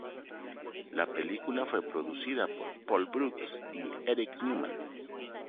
La película fue producida por Paul Brooks y Eric Newman.